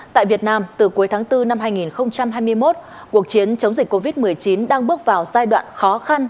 tại việt nam từ cuối tháng bốn năm hai nghìn hai mươi một cuộc chiến chống dịch covid một mươi chín đang bước vào giai đoạn khó khăn